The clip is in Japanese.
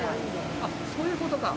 そういうことか。